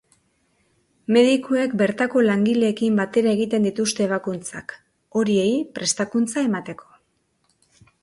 Medikuek bertako langileekin batera egiten dituzte ebakuntzak, horiei prestakuntza emateko.